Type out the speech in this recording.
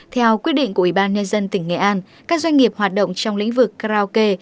theo quyết định của ủy ban nhân dân tỉnh nghệ an các doanh nghiệp hoạt động trong lĩnh vực karaoke